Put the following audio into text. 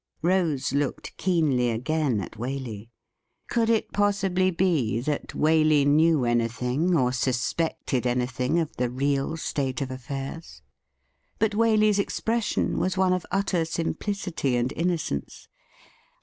Rose looked keenly again at Waley. Could it possibly be that Waley knew anything or suspected anything of the real state of affairs ? But Waley's expression was one of utter simplicity and innocence.